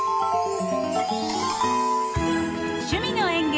「趣味の園芸」